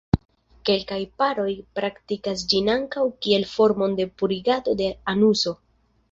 Kelkaj paroj praktikas ĝin ankaŭ kiel formon de purigado de anuso.